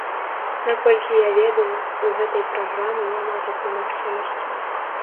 Наколькі я ведаю, у гэтай праграмы няма такой магчымасці.